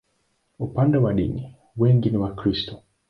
Upande wa dini, wengi ni Wakristo.